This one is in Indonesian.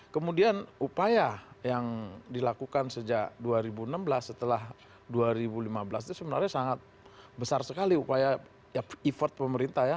kemudian upaya yang dilakukan sejak dua ribu enam belas setelah dua ribu lima belas itu sebenarnya sangat besar sekali upaya effort pemerintah ya